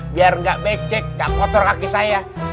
biar enggak becek enggak kotor kaki saya